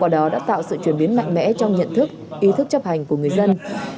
bảo vệ mạnh mẽ trong nhận thức ý thức chấp hành của người dân